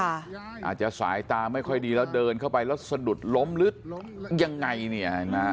อาจจะสายตาไม่ค่อยดีแล้วเดินเข้าไปแล้วสะดุดล้มหรือยังไง